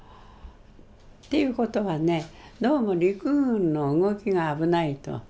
という事はねどうも陸軍の動きが危ないと。